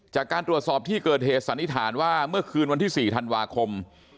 จากการตรวจสอบที่เกิดเหตุสันนิษฐานว่าเมื่อคืนวันที่๔ธันวาคม